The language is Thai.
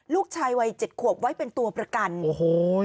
ลูกชายวัยเจ็ดขวบไว้เป็นตัวประกันโอ้โห